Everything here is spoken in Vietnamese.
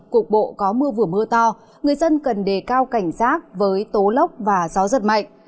cục bộ có mưa vừa mưa to người dân cần đề cao cảnh giác với tố lốc và gió giật mạnh